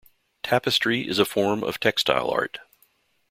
Tapestry is a form of textile art.